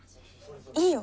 いいよ